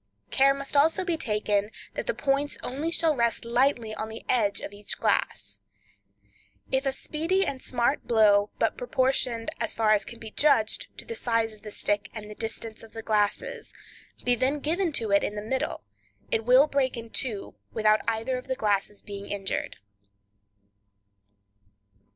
Care must also be taken that the points only shall rest lightly on the edge of each glass. If a speedy and smart blow, but proportioned, as far as can be judged, to the size of the stick and the distance of the glasses, be then given to it in the middle, it will break in two without either of the glasses being injured.